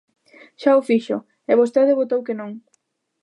Xa o fixo, e vostede votou que non.